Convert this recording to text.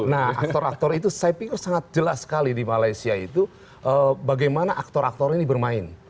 nah aktor aktor itu saya pikir sangat jelas sekali di malaysia itu bagaimana aktor aktor ini bermain